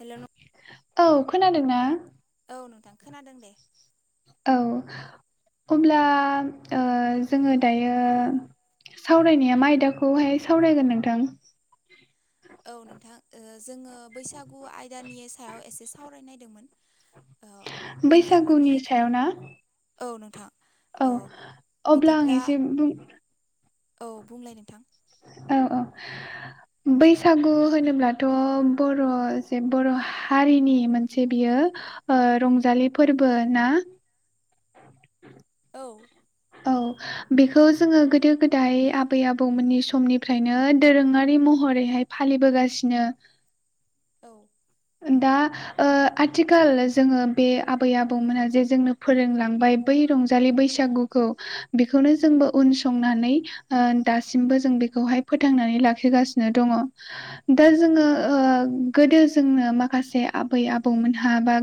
हेल' नों औ खोनादोंना? औ नोंथां खोनादों दे औ अब्ला ओ जोङो दायो। सावरायनाया मा आयदाखौहाय सावरायगोन नोंथां औ नोंथां ओ जोङो बैसागु आयदानि सायाव एसे सावरायनायदोंमोन। ओ नोंथांमोननि बैसागुनि सायाव ना? औ नोंथां औ अब्ला आं बिदिब्ला एसे बुं औ बुंलाय नोंथां औ औ बैसागु होनोब्लाथ' बर' जे बर' हारिनि मोनसे बियो ओ रंजालि फोरबो ना? औ औ बेखौ जोङो गोदो गोदाय आबै आबौमोननि समनिफ्रायनो दोरोंङारि महर महरैहाय फालिबोगासिनो औ दा ओ आथिखाल जोङो बे आबै आबौमोनहा जे जोंनो फोरोंलांबाय बै रंजालि बैसागुखौ बेखौनो जोंबो उन संनानै ओ दासिमबो जों बे फोथांनानै लाखगासिनो दङ दा जोंङो ओ गोदो जोंनो माखासे आबै आबौमोनहा बा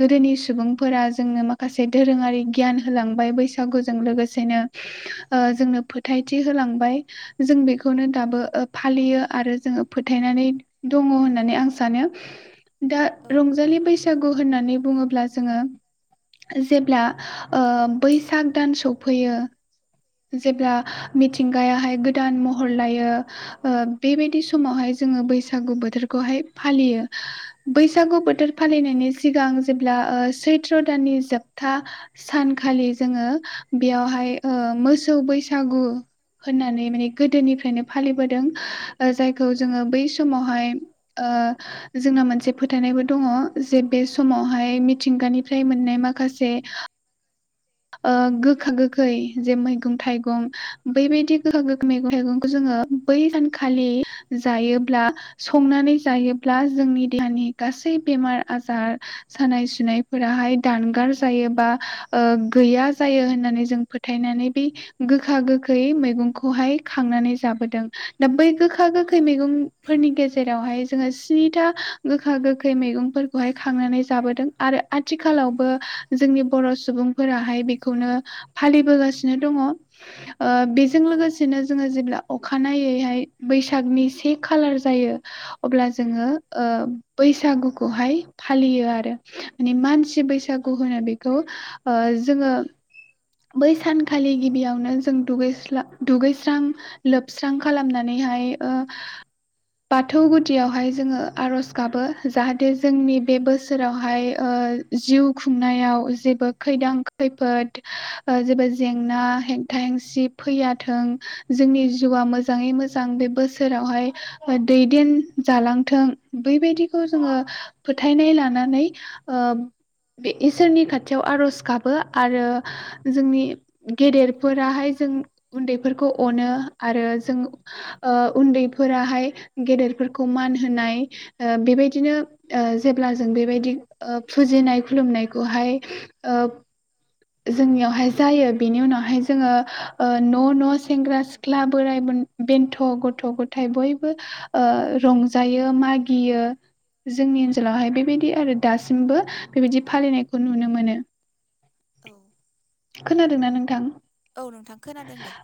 गोदोनि सुबुंफोरा जोंनो माखासे दोरोङारि गियान होलांबाय बैसागुजों लोगोसेनो ओ जोंनो फोथायथि होलांबाय जों बेखौनो दाबो फालियो आरो जोङो फोथायनानै दङ होननानै आं सानो दा औ रंजालि बैसागु होननानै बुङोब्ला जोङो। जेब्ला ओ बैसाग दान सफैयो जेब्ला औ मिथिंगायाहाय गो गोदान महर लायो ओ बेबायदि समावहाय जोङो बैसागु बोथोरखौहाय फालियो। बैसागु बोथोर फालिनायनि सिगां जेब्ला ओ सैथ्र' दाननि जोबथा सानखालि जोङो बेयावहाय ओ मोसौ बैसागु होननानै माने गोदोनिफ्रायनो फालिबोदों जायखौ जोङो बै समावहाय ओ ओ जोंना मोनसे फोथायनायबो दङ जे बे समावहाय मिथिंगानिफ्राय मोननाय माखा से ओ गोखा गोखै जे मैगं-थाइगं बैबायदि गोखा गोखै मैगं थाइगंखौ जों ओ बै सानखालि जायोब्ला संनानै जायोब्ला जोंनि देहानि गा गासै बेमार आजा बा ओ गैया जायो होननानै जों फोथायनानै बे गोखा गोखै मैगंखौहाय खांनानै जा बोदों दा बै गोखा गोखै औ मैगंफोरनि गेजेरावहाय जोङो स्निथा गोखा गोखै मैगंफोरखौहाय खांनानै जाबोदों आरो आथिखालावबो जोंनि बर सुबुंफोराहाय बेखौनो हो फालिबोगासिनो दङ'। ओ बेजों औ लोगोसेनो जोङो जेब्ला अखानायैहाय बैसागनि से खालार जायो अब्ला जोङो ओ बै बैसागुखौहाय फालियो आरो माने मानसि बैसागु होनो बेखौ ओ जोङो बै सानखालि गिबियावनो जों दुगैस्लां, दुगैस्रां लोबस्रां खालामनानै हाय ओ बाथौ गुदियावहाय जोङो आरज गाबो जाहाथे जोंनि बे बोसोरावहाय ओ। ओ जिउ खुंनायाव जेबो खैदां खैफोद। हो ओ जेबो जेंना हेंथा हेंसि फैयाथों हो जोंनि जिउआ मोजाङै मोज- मोजां बे बोसोरावहाय दैदेन जालांथों बैबायदिखौ जोङो। फोथायनाय लानानै ओ बे इसोरनि खाथियाव आरज गाबो आरो। हो जोंनि गेदेरफोराहाय जों उन्दैफोरखौ अनो आरो जों। हो ओ उन्दैफोराहाय गेदेरफोरखौ मान होनाय बेबायदिनो। ओ जेब्ला जों बेबायदि ओ फुजिनाय खुलुमनायखौहाय ओब। जोंनियावहाय जायो बेनि उनावहाय जोङो ओ न न सेंग्रा सिख्ला बोराय ब बेन्थ गथ गथाय बयबो ओ रंजायो मागियो। जोंनि ओनसोलावहाय बेबायदि आरो दासिमबो बेबायदि फालिनायखौ नुनो मोनो। औ खोनादोंना नोंथां औ नोंथां खोनादों दे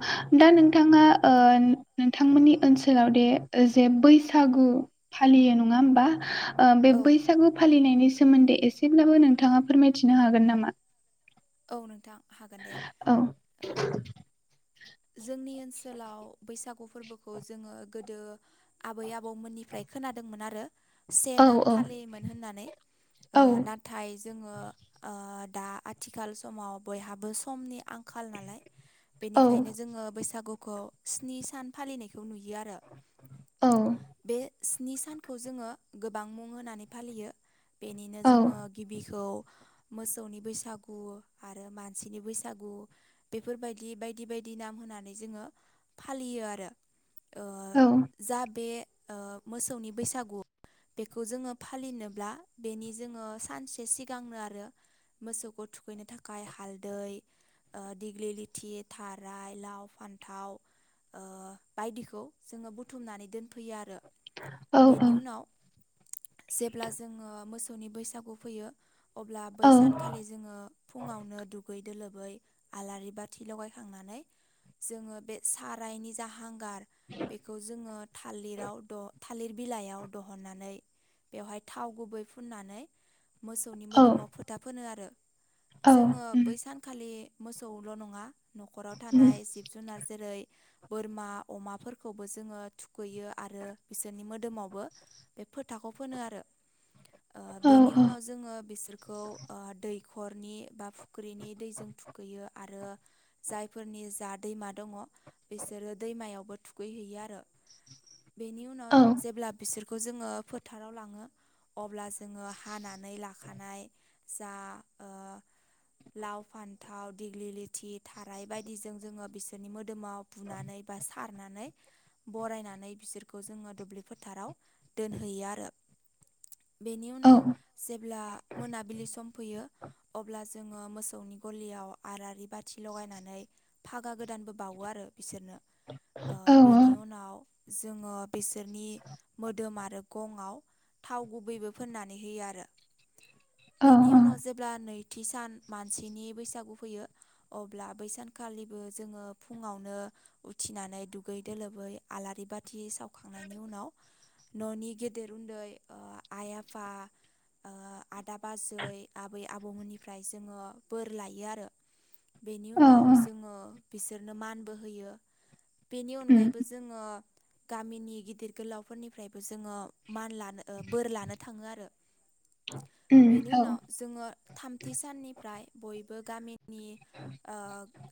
हो दा नोंथाङा ओ नोंथांमोननि ओनसोलाव दे जे बैसागु। फालियो नङा होमबा। ओ बे औ बैसागु फालिनायनि सोमोन्दै एसेब्लाबो नोंथाङा फोरमायथिनो हागोन नामा? औ नोंथां हागोन औ जोंनि ओनसोलाव बैसागु फोरबोखौ जोङो गोदो आबै आबौमोननिफ्राय। खोनादोंमोन आरो से औ दान औ फालियोमोन होननानै ओ औ नाथाय। जोङो ओ-दा आथिखाल समाव बयहाबो समनि आंखाल नालाय। औ ओंखायनो जोङो बैसागुखौ स्नि सान फालिनायखौ नुयो आरो। औ बे स्नि सानखौ जोङो गोबां मुं होनानै फालियो। बेनिनो औ जोङो गिबिखौ। मोसौनि बैसागु आरो मानसिनि बैसागु बेफोरबायदि बाय बायदि बायदि नाम होनानै जोङो फालियो आरोबाव औ जा बे ओ मोसौनि बैसागु। बेखौ जोङो फालिनोब्ला बेनि जोङो सानसे सिगांनो आरो। मोसौखौ थुखैनो थाखाय हालदै दिग्लि लिथि थाराय लाव फान्थाव। ओ बायदिखौ जोङो बुथुमनानै दोनफैयो आरो औ बेनि उनाव। जेब्ला जोङो मोसौनि बैसागु फैयो। अब्ला बै औ सानखालि जोङो फुङावनो दुगै दोलोबै आलारि बाथि लगाय। थांनानै जोङो बे सारायनि जा हांगार। बेखौ जोङो थालिराव द थालिर बिलाइयाव दहननानै बेवहाय थाव गुबै फुननानै। मोसौनि औ मोदोमाव फोथा फोनो आरो औ जोङो उम बै सानखालि। मोसौल नङा नखराव उम थानाय जिब जुनार जेरै। बोरमा अमाफोरखौबो जोङो थुखैयो आरो बिसोरनि मोदोमावबो बे फो थाखौ फोनो आरो ओ औ बेनि औ उनाव जोङो बिसोरखौ ओ दै खरनि बा फुख्रिनि दैजों थुखैयो आरो। जायफोरनि जा दैमा दङ बिसोरो दैमायावबो थुगैहैयो आरो। बेनि उनाव औ जेब्ला बिसोरखौ जोङो फोथाराव लाङो। अब्ला जोङो हानानै लाखानाय जा ओ। लाव फान्थाव दिेग्लि लिथि। थाराइ बायदिजों जोङो बिसोरनि मोदोमाव बुनानै बा सा खारनानै बरायनानै बिसोरखौ जोङो दुब्लि फोथाराव दोनहैयो आरो। [inaudible] बेनि उनाव जेब्ला मोनाबिलि सम फैयो। अब्ला जोङो मोसौनि गलियाव आरारि बा थि लगायनानै फागा गोदानबो बावो आरो बिसोरनो। ओ औ बेनि उनाव जोङो बिसोरनि मोदोम आरो गंआव थाव गुबैबो फोननानै होयो आरो औ बेनि उनाव जेब्ला नैथि सान मानसिनि बैसागु फैयो अब्ला बै सानखालिबो जोङो फुङावनो उथिनानै दुगै दोलोबै आलारि बाथि सावखांनायनि उनाव न'नि गेदेर उन्दै ओ आइ आफा ओ आदा बाजै आबै आबौमोननिफ्राय जोङो बोर लायो आरो बेनि औ उनाव जोङो बिसोरनो मानबो होयो। बेनि उम अनगायैबो जोङो गामिनि गिदिर गोलावफोरनिफ्रायबो जोङो मान लानो ओ बोर लानो थाङो आरो उम बेनि औ उनाव जोङो थामथि साननिफ्राय बयबो गामिनि ओ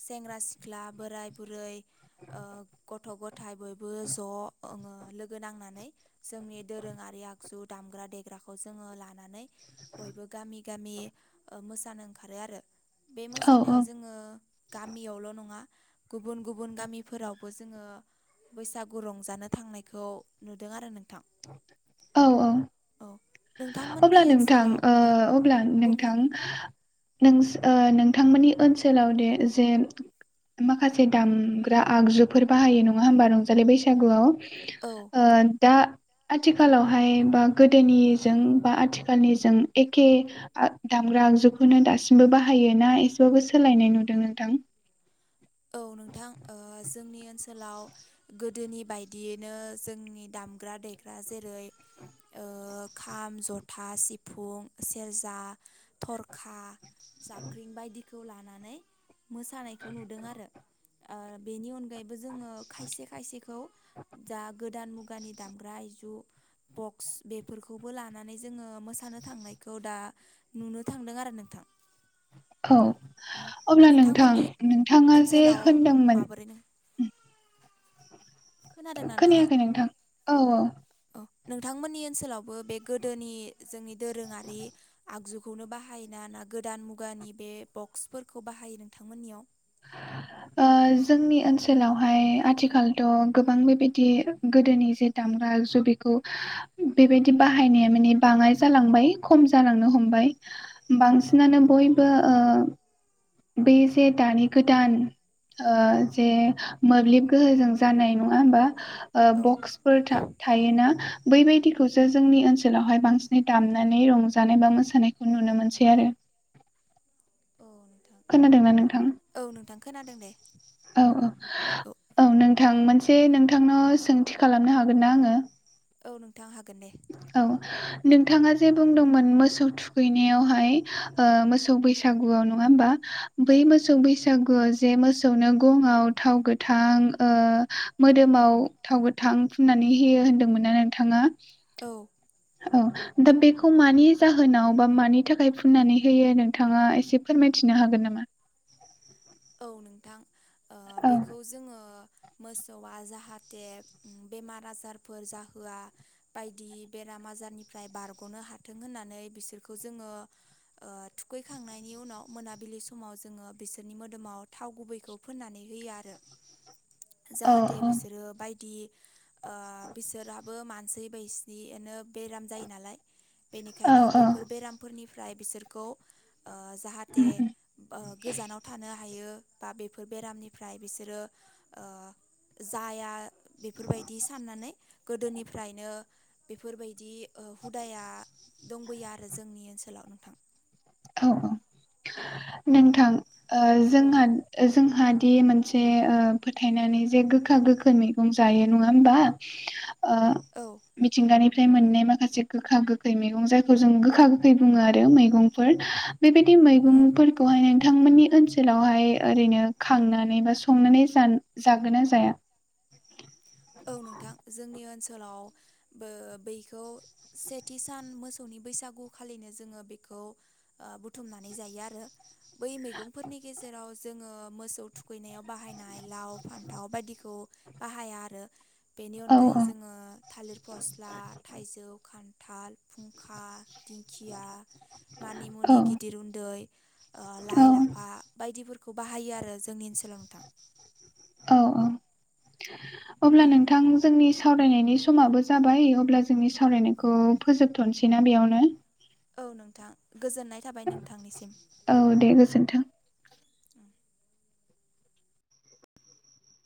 सेेंग्रा सि ख्ला बोराय बुरै ओ गथ' गथाय बयबो ज'ओ लोगो नां नानै जोंनि दोरोङारि आगजु दामग्रा देग्राखौ जोङो ला नानै बयबो गामि गामि मोसानो ओंखारो आरो बे औ मोसानायाव जोङो गामियावल' नङा गुबुन गुबुन गामिफोरावबो जोङो बैसागु रंजानो थांनायखौ नुदों आरो नोंथां। औ औ औ नोंथांमोननि अब्ला नोंथां ओनसोलाव ओ औ अब्ला बुंलाय नोंथां नोंस ओ नोंथांमोननि ओनसोलाव दे जेन माखासे दामग्रा आगजुफोर बाहायो नङा होमबा रंजालि बैसागुआव औ ओ दा आथिखालावहाय बा गोदोनि जों बा आथिखालनि जों एखे आ दामग्रा आगजुखौनो दासिमबो बाहायो ना एसे बाबो सोलायनाय नुदों नोंथां? औ नोंथां ओ जोंनि ओनसोलाव गोदोनि बायदियैनो जोंनि दा मग्रा देग्रा जेरै ओ खाम जथा सिफुं सेरजा थरखा जाबख्रिं बायदिखौ लानानै मोसानायखौ नुदों आरो। ओ बेनि अनगायैबो जोङो खायसे खायसेखौ जा गोदान मुग गानि दामग्रा आयजु बक्स बेफोरखौबो लानानै जोङो मोसानो थांनायखौ दा नुनो थांदों आरो नोंथां। औ औ अब्ला नोंथां नोंथांमोननि नोंथां ओनसोलाव माबोरैनो खोनादोंना नोंथाङा खोनायाखै नोंथां औ औ औ नोंथांमोननि ओनसोलावबो बे गोदोनि जोंनि दोरोङारि आगजुखौनो बाहा यो ना ना गोदान मुगानि बे बक्सफोरखौ बाहायो नोंथांमोननियाव? [inaudible] ओ जोंनि ओनसोलावहाय आथिखालथ' गोबां बेबायदि गोदोनि जे दाम दागजु बिखौ बेबायदि बाहायनाया माने बाङाय जालांबाय खम जालांनो हमबाय। बांसिनानो बयबो ओ बे जे दानि गोदान ओ जे मोब्लिब गोहोजों जानाय नङा होमबा ओ औ बक्सफोर था थायोना बैबायदिखौसो जोंनि ओनसोलावहाय बांसिनै दामनानै रंजानाय बा मोसानायखौ नु नुनो मोनसै आरो। औ नोंथां खोनादोंना नोंथां औ नोंथां खोनादों दे। औ औ। औ नोंथां मोनसे नोंथांनाव सोंथि खालामनो हागोन ना आंङो? औ नोंथां हागोन दे। नोंथांङा जे बुंदोंमोन मोसौ थुखैनायावहाय ओ मोसौ बैसागुआव नङा होमबा? बै मोसौ बैसागुआवसो। जे मोसौनो गंआव थाव गोथां ओ मोदोमाव थाव गोथां फुननानै हियो होनदोंमोन ना नोंथाङा औ। औ दा बेखौ मानि जाहोनाव बा मानि थाखाय फुननानै होयो नोंथाङा एसे फोरमायथिनो हाय हागोन नामा? औ नोंथां औ बेखौ ओ जोङो मोसौआ जाहाथे बेमार आजारफोर जाहोआ बायदि बेराम बेराम आजारनिफ्राय बारग'नो हाथों होननानै बिसोरखौ जोङो ओ थुखैखांनायनि उनाव मोनाबिलि समाव जोङो बिसोरनि मोद मोदोमाव थाव गुबैखौ फोननानै होयो आरो औ जाहाथे बिसोरो बायदि। ओ बिसोरहाबो मानसि बायसिनिनो बेराम जायो नालाय औ बेनिखायनो औ बेफोर बेरामफोरनिफ्राय बिसोरखौ ओ जाहाथे उम उम ओ गोजानाव थानो हा बेयो बा बेफोर बेरामनिफ्राय बिसोरो ओ जाया बेफोरबायदि साननानै गोदोनिफ्रायनो बेफोरबायदि हुदाया दंबोयो आरो जोंनि ओनसोलाव नोंथां। औ औ नोंथां ओ औ जोंहा ओ जोंहा हि मोनसे ओ फोथायनानै जे गोखा गोखै मैगं जायो नङा होमबा ओ औ मिथिंगानि ओमफ्राय मोननाय माखासे गोखा गोखै मैगं जायखौ जों गोखा गोखै बुङो आरो मैगंफोर बेबायदि औ मैगंफोरखौहाय नोंथां बिथांमोननि ओनसोलावहाय ओरैनो खांनानै बा संनानै सान जागोन ना जाया? [inaudible] औ नोंथां जोंनि ओनसोलाव ओ बैखौ सेथि सान मोसौनि बैसागु खालिनो जोङो बेखौ ओ बुथुमनानै जायो आरो। बै मैगंफोरनि गेजेराव जोङो मोसौ थुख गैनायाव बाहायनाय लाव फान्थाव बायदिखौ बाहाया आरो। बेनि औ अनगायै जोङो थालिर फस्ला थाइजौ खान्थाल, फुंखा दिंखिया मानि मुनि औ गिदिर उन्दै ओ औ लाइ लाफा बायदिफोर बाहायो आरो जोंनि ओनसोलाव नोंथां। औ औ अब्ला नोंथां जोंनिस सावरायनायनि समाबो जाबाय अब्ला जोंनि सावरायनायखौ फोजोबथ'नोसै ना बेयावनो? औ नोंथां। गोजोननाय थाबाय नोंथांनिसिम औ दे गोजोनथों।